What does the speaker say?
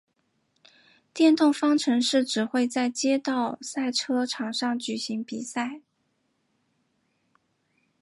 电动方程式只会在街道赛车场上举行比赛。